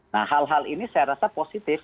nah hal hal ini saya rasa positif